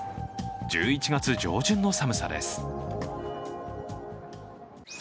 １１月上旬の寒さです。